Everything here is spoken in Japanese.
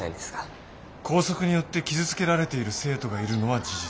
校則によって傷つけられている生徒がいるのは事実。